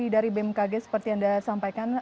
dari bmkg seperti yang anda sampaikan